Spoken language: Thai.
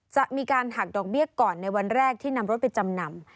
จะมีการหักดอกเบี้ยก่อนในวันแรกที่นำรถไปจำนำ